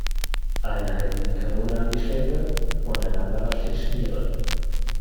Einer hält ihm die Kanone an die Schläfe und ein anderer steht Schmiere.